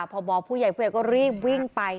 พอบอกผู้ใหญ่ผู้ใหญ่ก็รีบวิ่งไป